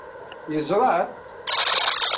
Yeẓra-t.